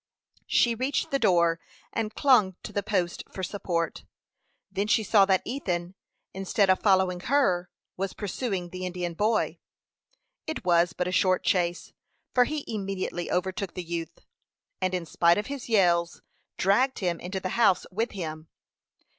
She reached the door, and clung to the post for support. Then she saw that Ethan, instead of following her, was pursuing the Indian boy. It was but a short chase, for he immediately overtook the youth, and in spite of his yells, dragged him into the house with him.